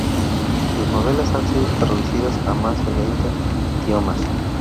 Sus novelas han sido traducidas a más de veinte idiomas.